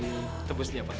jadi tebus setiap hari ya